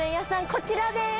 こちらです！